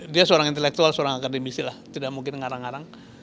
dia seorang intelektual seorang akademisi lah tidak mungkin ngarang ngarang